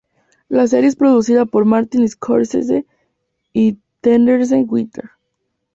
La serie es producida por Martin Scorsese y Terence Winter.